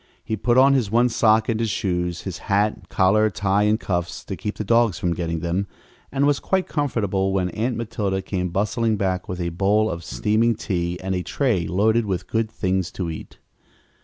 He put on his one sock and his shoes, his hat, collar, tie and cuffs to keep the dogs from getting them, and was quite comfortable when Aunt Matilda came bustling back with a bowl of steaming tea and a tray loaded with good things to eat.